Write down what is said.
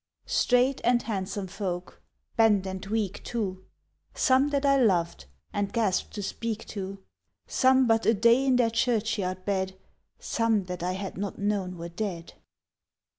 Straight and handsome folk; bent and weak, too; Some that I loved, and gasp'd to speak to; Some but a day in their churchyard bed; Some that I had not known were dead.